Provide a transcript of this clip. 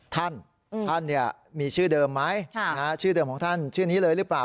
ท่านท่านมีชื่อเดิมไหมชื่อเดิมของท่านชื่อนี้เลยหรือเปล่า